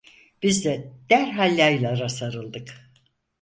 Biz de derhal yaylara sarıldık.